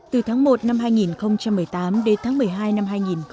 từ tháng một năm hai nghìn một mươi tám đến tháng một mươi hai năm hai nghìn hai mươi